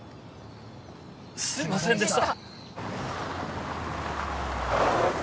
すいませんでした。